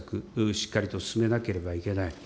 しっかりと進めなければいけない。